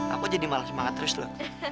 aku jadi malah semangat terus loh